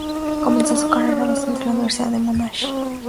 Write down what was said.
Comenzó su carrera docente en la Universidad de Monash.